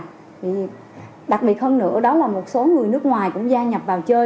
thì đặc biệt hơn nữa đó là một số người nước ngoài cũng gia nhập vào chơi